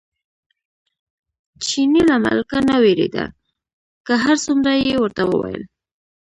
چیني له ملکه نه وېرېده، که هر څومره یې ورته وویل.